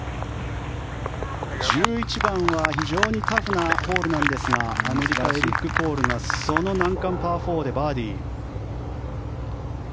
１１番は非常にタフなホールなんですがアメリカ、エリック・コールがその難関、パー４でバーディー。